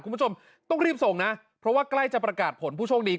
คุณผู้ชมต้องรีบส่งนะเพราะว่าใกล้จะประกาศผลผู้โชคดี